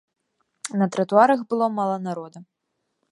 На тратуарах было мала народа.